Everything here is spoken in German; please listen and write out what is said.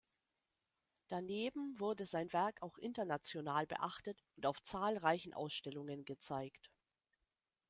Daneben wurde sein Werk auch international beachtet und auf zahlreichen Ausstellungen gezeigt.